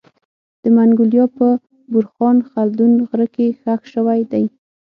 د منګولیا په بورخان خلدون غره کي خښ سوی دی